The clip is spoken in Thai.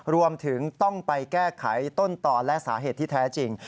รวมถึงต้องไปแก้ไขต้นต่อและสาเหตุที่แท้จริง